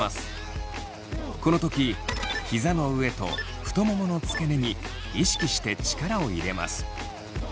この時ひざの上と太ももの付け根に意識して力を入れます。